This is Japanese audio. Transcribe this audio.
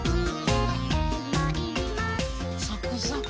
サクサク！